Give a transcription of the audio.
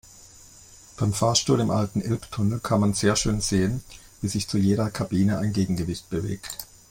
Beim Fahrstuhl im alten Elbtunnel kann man sehr schön sehen, wie sich zu jeder Kabine ein Gegengewicht bewegt.